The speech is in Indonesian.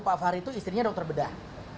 pak fahri itu istrinya dokter bedah